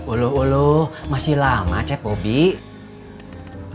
oloh oloh masih lama ceh bobby